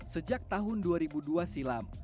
sejak tahun dua ribu dua silam